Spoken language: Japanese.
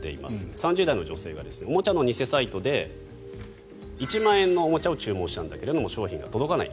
３０代の女性がおもちゃの偽サイトで１万円のおもちゃを注文したんだけど商品が届かない。